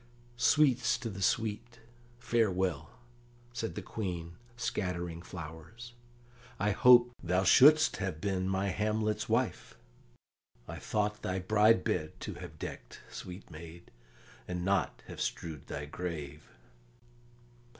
"Sweets to the sweet: farewell!" said the Queen, scattering flowers. "I hoped thou shouldst have been my Hamlet's wife; I thought thy bride bed to have decked, sweet maid, and not have strewed thy grave."